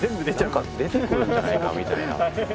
何か出てくるんじゃないかみたいな。